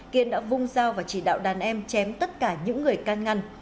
kiên đã vung dao và chỉ đạo đàn em chém tất cả những người can ngăn